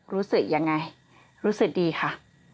รู้สึกยังไงรู้สึกดีค่ะ